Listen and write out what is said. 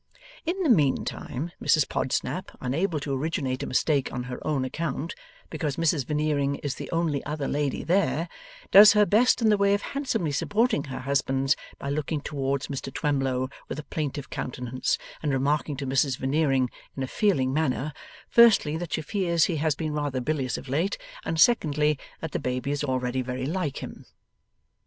In the meantime, Mrs Podsnap, unable to originate a mistake on her own account, because Mrs Veneering is the only other lady there, does her best in the way of handsomely supporting her husband's, by looking towards Mr Twemlow with a plaintive countenance and remarking to Mrs Veneering in a feeling manner, firstly, that she fears he has been rather bilious of late, and, secondly, that the baby is already very like him.